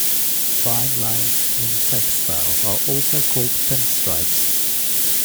Fine lines in textiles are also called "pin stripes".